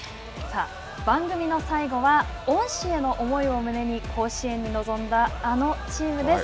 番組の最後は、恩師への思いを胸に甲子園に臨んだあのチームです。